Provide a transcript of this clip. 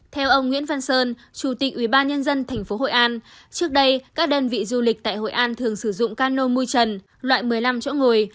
theo ông nguyễn văn sơn chủ tịch ubnd tp hội an trước đây các đơn vị du lịch tại hội an thường sử dụng cano mui trần loại một mươi năm chỗ ngồi